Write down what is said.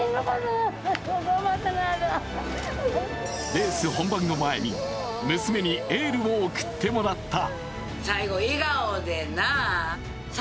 レース本番前に、娘にエールを送ってもらった。